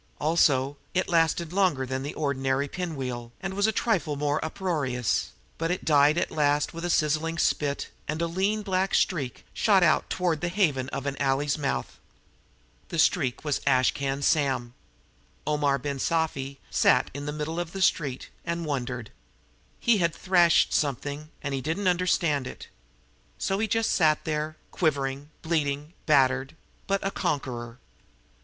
Also, it lasted longer than the ordinary pinwheel, and was a trifle more uproarious; but it died at last with a sizzling spit, and a lean black streak shot out toward the haven of an alley's mouth. The streak was Ash Can Sam. Omar Ben Sufi sat down in the middle of the street, and wondered. He had thrashed something, and he didn't understand it. So he just sat there, quivering, bleeding, battered but a conqueror.